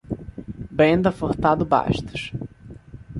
Brenda Furtado Bastos